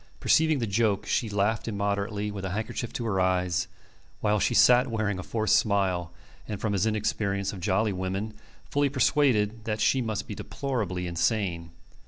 Perceiving the joke, she laughed immoderately with a handkerchief to her eyes, while he sat wearing a forced smile, and, from his inexperience of jolly women, fully persuaded that she must be deplorably insane.